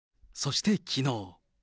そしてきのう。